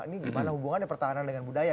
ini gimana hubungannya pertahanan dengan budaya